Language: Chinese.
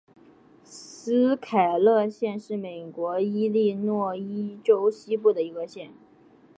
斯凯勒县是美国伊利诺伊州西部的一个县。